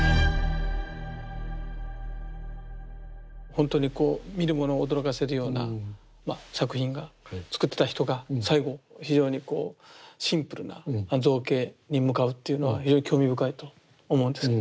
ほんとにこう見る者を驚かせるような作品が作ってた人が最後非常にこうシンプルな造形に向かうっていうのは非常に興味深いと思うんです。